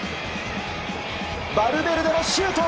バルベルデのシュート！